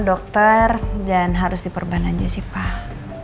dokter dan harus diperban aja sih pak